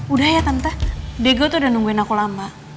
udah ya tante diego tuh udah nungguin aku lama